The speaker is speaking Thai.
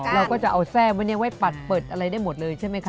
เราก็จะเอาแทรกไว้เนี่ยไว้ปัดเปิดอะไรได้หมดเลยใช่ไหมคะ